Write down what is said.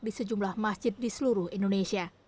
di sejumlah masjid di seluruh indonesia